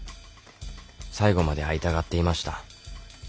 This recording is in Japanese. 最後まで会いたがっていました。